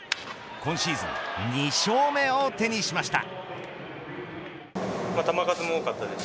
今シーズン２勝目を手にしました。